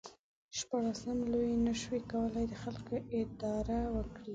شپاړسم لویي نشو کولای د خلکو اداره وکړي.